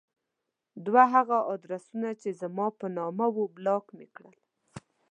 دوه هغه ادرسونه چې زما په نامه وو بلاک مې کړل.